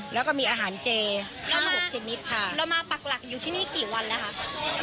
แล้วก็มีอาหารเจทั้งหกชนิดค่ะเรามาปักหลักอยู่ที่นี่กี่วันแล้วคะ